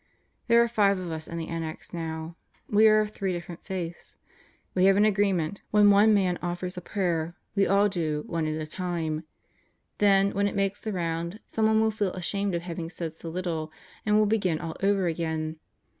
There are five of us in the Annex now. We are of three different Faiths. ... We have an agreement: when one man offers a prayer, Satan in the Cell Block 89 we all do, one at a time. Then when it makes the round, someone will feel ashamed of having said so little and will begin all over again.